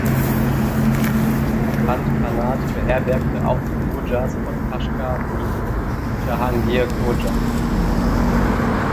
Das Kokand-Khanat beherbergte auch die Khojas von Kashgar wie Jahangir Khoja.